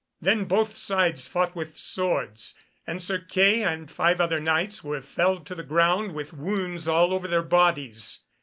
Then both sides fought with swords, and Sir Kay and five other Knights were felled to the ground with wounds all over their bodies.